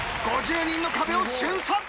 ５０人の壁を瞬殺！